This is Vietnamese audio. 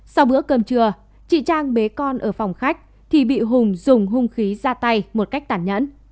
sau bữa cơm trưa chị trang bế con ở phòng khách thì bị hùng dùng hung khí ra tay một cách tản nhẫn